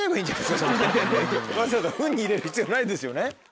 わざわざフンに入れる必要ないですよね。